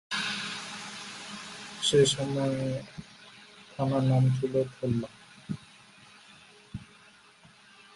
সে সময়ে এ থানার নাম ছিল থোল্লা।